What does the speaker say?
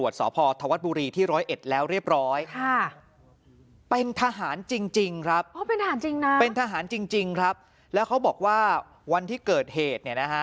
จริงครับแล้วเขาบอกว่าวันที่เกิดเหตุ